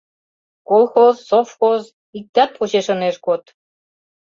Колхоз, совхоз Иктат почеш ынеж код;